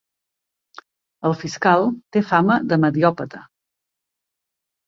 El fiscal té fama de mediòpata.